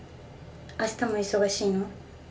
明日も忙しいの？